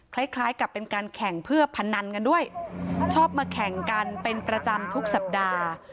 คล้ายกับเป็นการแข่งเพื่อพนันกันด้วยชอบมาแข่งกันเป็นประจำทุกสัปดาห์